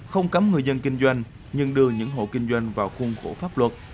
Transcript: không cấm người dân kinh doanh nhưng đưa những hộ kinh doanh vào khung khổ pháp luật